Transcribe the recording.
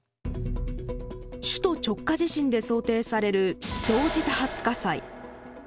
首都直下地震で想定される同時多発火災。